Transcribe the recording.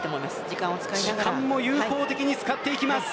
時間も有効的に使っていきます。